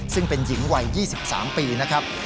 ซึ่งเป็นหญิงวัย๒๓ปีนะครับ